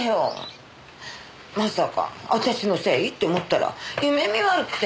まさか私のせいって思ったら夢見悪くて。